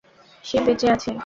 সে বেঁচে আছে!